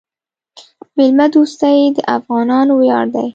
میلمه دوستي د افغانانو ویاړ دی.